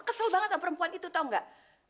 kesel banget sama perempuan itu tau gak